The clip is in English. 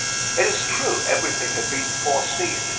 It is true, everything had been foreseen.